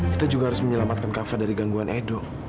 kita juga harus menyelamatkan kava dari gangguan edo